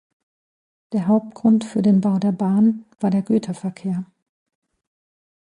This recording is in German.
Der Hauptgrund für den Bau der Bahn war der Güterverkehr.